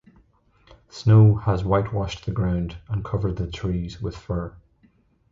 Snow has whitewashed the ground and covered the trees with fur.